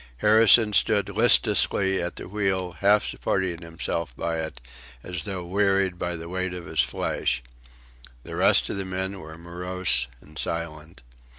Harrison stood listlessly at the wheel, half supporting himself by it, as though wearied by the weight of his flesh. The rest of the men were morose and silent.